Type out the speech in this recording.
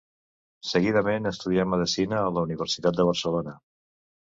Seguidament, estudià medicina a la Universitat de Barcelona.